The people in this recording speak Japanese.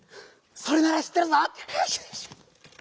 それならしってるぞ！